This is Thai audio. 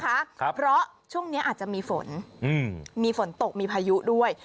ก็ได้นะคะเพราะช่วงนี้อาจจะมีฝนมีฝนตกมีพายุด้วย